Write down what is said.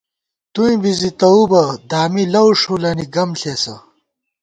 توئیں بی زی تؤو بَہ، دامی لَؤ ݭُولَنی گم ݪېسہ